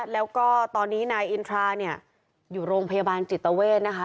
แล้วก็ตอนนี้นายอินทราอยู่โรงพยาบาลจิตเตอร์เวทนะคะ